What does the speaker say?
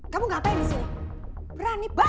kamu ngapain disini